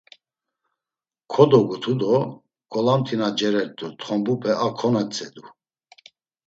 Kodogutu do golamt̆i na cerert̆u txombupe a konotzedu.